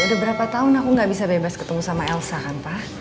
udah berapa tahun aku gak bisa bebas ketemu sama elsa kan pak